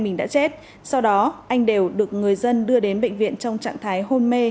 mình đã chết sau đó anh đều được người dân đưa đến bệnh viện trong trạng thái hôn mê